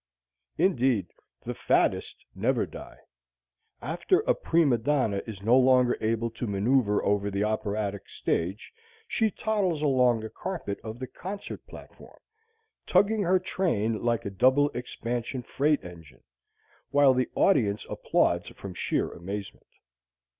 Indeed, the fattest never die. After a prima donna is no longer able to manoeuver over the operatic stage, she toddles along the carpet of the concert platform, tugging her train like a double expansion freight engine, while the audience applauds from sheer amazement.